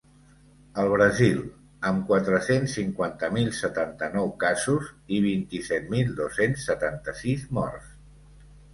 El Brasil, amb quatre-cents cinquanta mil setanta-nou casos i vint-i-set mil dos-cents setanta-sis morts.